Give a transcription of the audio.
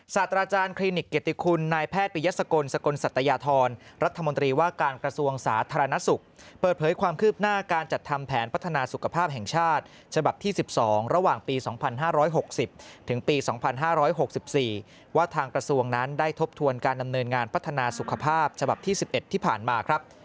ศาสตราจารย์คลินิกเกียรติคุณนายแพทย์ปริยสกลสกลสัตยาธรรัฐมนตรีว่าการกระทรวงสาธารณสุขเปิดเผยความคืบหน้าการจัดทำแผนพัฒนาสุขภาพแห่งชาติฉบับที่๑๒ระหว่างปี๒๕๖๐ถึงปี๒๕๖๔ว่าทางกระทรวงนั้นได้ทบทวนการดำเนินงานพัฒนาสุขภาพฉบับที่๑๑ที่ผ่านมาครับ